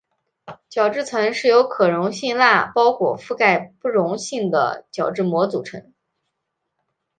角质层是由可溶性蜡包裹覆盖不溶性的角质膜组成。